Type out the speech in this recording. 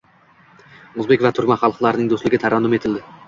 O‘zbek va turkman xalqlarining do‘stligi tarannum etildi